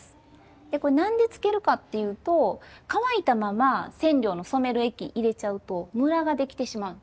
でこれなんでつけるかっていうと乾いたまま染料の染める液入れちゃうとむらができてしまう。